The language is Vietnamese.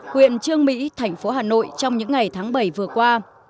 huyện trương mỹ thành phố hà nội trong những ngày tháng bảy vừa qua